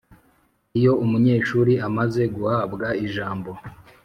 . Iyo umunyeshuri amaze guhabwa ijambo